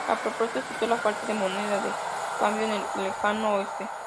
La propuesta citó la falta de moneda de cambio en el lejano oeste.